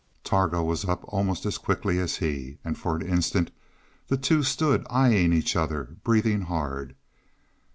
Targo was up almost as quickly as he, and for an instant the two stood eyeing each other, breathing hard.